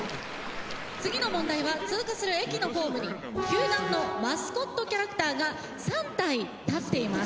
次の問題は通過する駅のホームに球団のマスコットキャラクターが３体立っています。